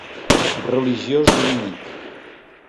Religiós dominic.